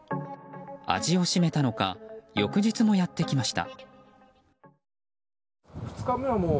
味を占めたのか翌日もやってきました。